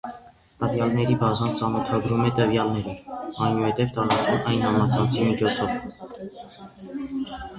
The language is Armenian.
Տվյալների բազան ծանոթագրում է տվյալները, այնուհետև տարածում այն համացանցի միջոցով։